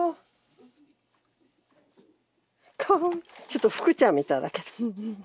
ちょっとフクちゃんみたいだけど。